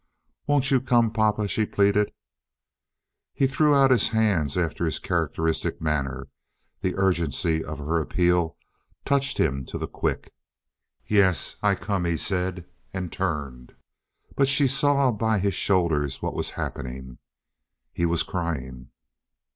"Won't you come, papa?" she pleaded. He threw out his hands after his characteristic manner. The urgency of her appeal touched him to the quick. "Yes, I come," he said, and turned; but she saw by his shoulders what was happening. He was crying.